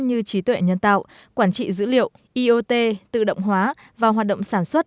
như trí tuệ nhân tạo quản trị dữ liệu iot tự động hóa và hoạt động sản xuất